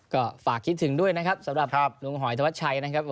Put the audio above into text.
ก็ฝากคิดถึงด้วยนะครับสำหรับลุงหอยธวัชชัยนะครับ